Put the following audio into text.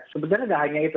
sebenarnya tidak hanya itu